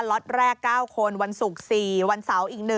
ล็อตแรก๙คนวันศุกร์๔วันเสาร์อีก๑